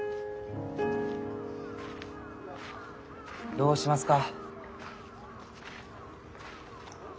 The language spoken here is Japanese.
どうしますか？